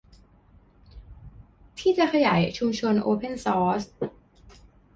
ที่จะขยายชุมชนโอเพ่นซอร์ส